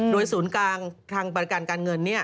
โดยศูนย์กลางทางบริการการเงิน